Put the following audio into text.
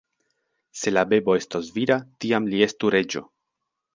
Se la bebo estos vira, tiam li estu reĝo.